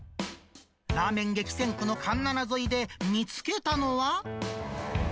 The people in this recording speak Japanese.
ラーメン激戦区の環七沿いで見つけたのは。